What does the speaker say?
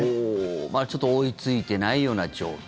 まだちょっと追いついていないような状況。